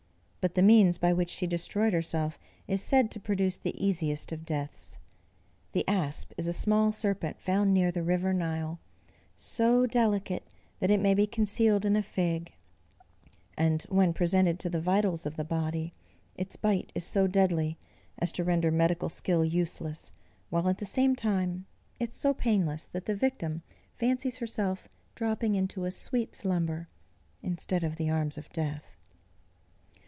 But the means by which she destroyed herself, is said to produce the easiest of deaths: the Asp is a small serpent found near the river Nile, so delicate that it may be concealed in a fig; and when presented to the vitals of the body, its bite is so deadly as to render medical skill useless, while at the same time it is so painless, that the victim fancies herself dropping into a sweet slumber, instead of the arms of death.